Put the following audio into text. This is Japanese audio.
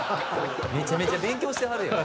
めちゃめちゃ勉強してはるやん。